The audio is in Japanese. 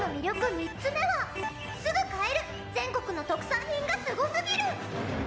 ３つ目はすぐ買える全国の特産品がすごすぎる！